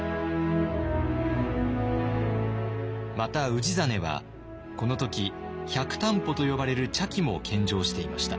また氏真はこの時「百端帆」と呼ばれる茶器も献上していました。